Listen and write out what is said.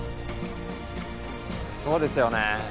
そうですよね。